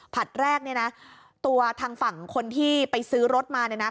แรกเนี่ยนะตัวทางฝั่งคนที่ไปซื้อรถมาเนี่ยนะ